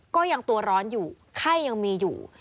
ก็ยังตัวร้อนอยู่ไข้ยังมีอยู่